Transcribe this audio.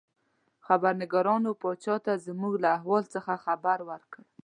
خبرنګارانو پاچا ته زموږ له احوال څخه خبر ورکړ.